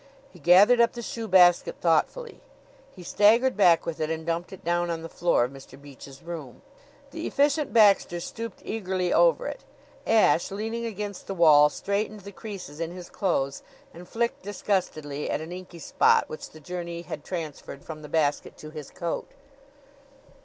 He gathered up the shoe basket thoughtfully. He staggered back with it and dumped it down on the floor of Mr. Beach's room. The Efficient Baxter stooped eagerly over it. Ashe, leaning against the wall, straightened the creases in his clothes and flicked disgustedly at an inky spot which the journey had transferred from the basket to his coat.